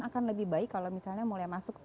akan lebih baik kalau misalnya mulai masuk